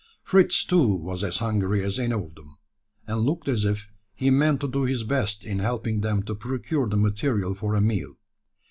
Fritz, too, was as hungry as any of them; and looked as if he meant to do his best in helping them to procure the material for a meal.